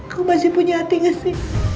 kamu masih punya hati gak si